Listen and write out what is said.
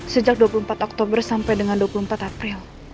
sejak dua puluh empat oktober sampai dengan dua puluh empat april